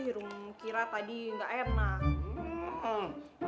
ih rumah kira tadi ga enak